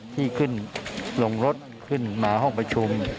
ที่ขึ้นลงรถขึ้นมาห้องประชุม